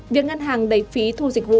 việc ngân hàng đẩy phí thu dịch vụ